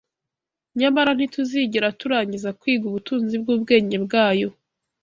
nyamara ntituzigera turangiza kwiga ubutunzi bw’ubwenge bwayo